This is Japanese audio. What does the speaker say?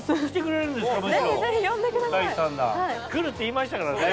来るって言いましたからね。